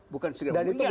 bukan sekedar memungkinkan